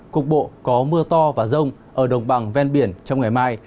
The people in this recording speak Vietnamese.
cục bộ có mưa to và rông ở đồng bằng ven biển trong ngày mai